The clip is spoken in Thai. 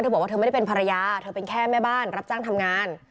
บอกว่าเธอไม่ได้เป็นภรรยาเธอเป็นแค่แม่บ้านรับจ้างทำงาน